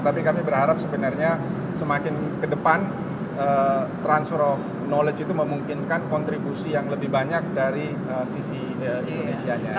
tapi kami berharap sebenarnya semakin ke depan transfer of knowledge itu memungkinkan kontribusi yang lebih banyak dari sisi indonesia nya